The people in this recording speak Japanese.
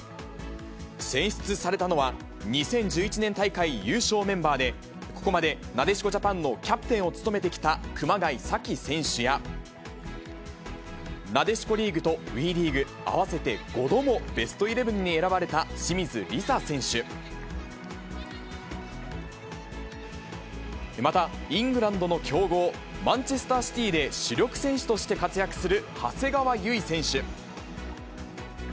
選出されたのは、２０１１年大会優勝メンバーで、ここまでなでしこジャパンのキャプテンを務めてきた熊谷紗希選手や、なでしこリーグとＷＥリーグ合わせて５度のベストイレブンに選ばれた清水梨紗選手、また、イングランドの強豪、マンチェスター・シティで主力選手として活躍する長谷川唯選手。